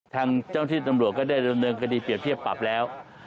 ท่านเจ้าที่นำโรคก็ได้บรรณวงกดีเปรียบเทียบปรับแล้ว